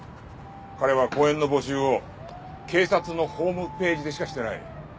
彼は公演の募集を警察のホームページでしかしてない。